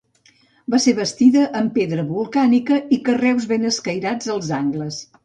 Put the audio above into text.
Va ser bastida amb pedra volcànica i carreus ben escairats als angles.